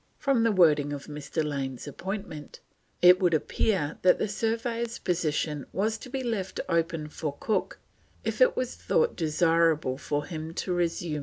From the wording of Mr. Lane's appointment it would appear that the surveyor's position was to be left open for Cook if it was thought desirable for him to resume it.